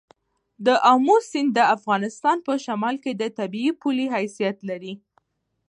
د آمو سیند د افغانستان په شمال کې د طبیعي پولې حیثیت لري.